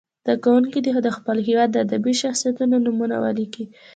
زده کوونکي دې د خپل هېواد د ادبي شخصیتونو نومونه ولیکي.